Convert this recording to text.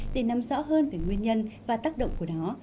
để nắm rõ hơn về nguyên nhân và tác động của nó